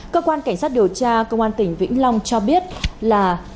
cơ quan cảnh sát điều tra công an tỉnh vĩnh long cho biết là